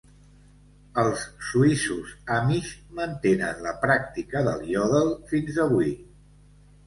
Els suïssos Amish mantenen la pràctica del iòdel fins avui.